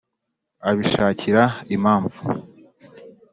abishakira impamvu !